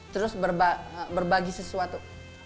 terus berbagi sesuatu